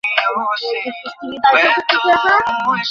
পরবর্তীতে আরেকজন ব্যবহারকারী উক্ত পর্যালোচনাটি পুনরায় নিরীক্ষণ করবেন।